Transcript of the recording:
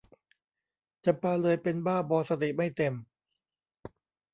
จำปาเลยเป็นบ้าบอสติไม่เต็ม